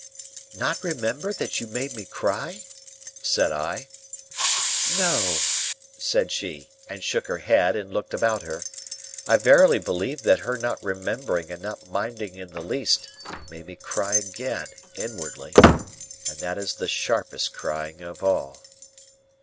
"Not remember that you made me cry?" said I. "No," said she, and shook her head and looked about her. I verily believe that her not remembering and not minding in the least, made me cry again, inwardly,—and that is the sharpest crying of all.